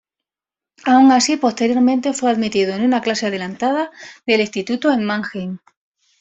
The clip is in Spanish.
Aun así, posteriormente fue admitido en una clase adelantada del instituto en Mannheim.